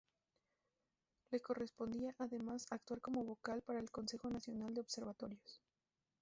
Le correspondía además, actuar como vocal para el Consejo Nacional de Observatorios.